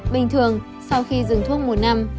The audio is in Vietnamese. bình thường sau khi dùng thuốc một năm